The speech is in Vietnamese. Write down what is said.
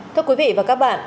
thưa quý vị và các bạn